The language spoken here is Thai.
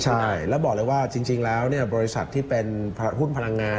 ใช่แล้วบอกเลยว่าจริงแล้วบริษัทที่เป็นหุ้นพลังงาน